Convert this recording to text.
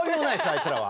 あいつらは。